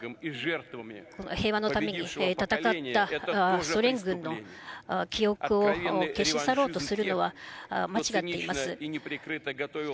平和のために戦ったソ連軍の記憶を消し去ろうとするのは間違っています。